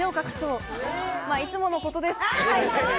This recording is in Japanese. いつものことです。